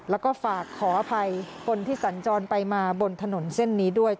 แล้วก็ฝากขออภัยคนที่สัญจรไปมาบนถนนเส้นนี้ด้วย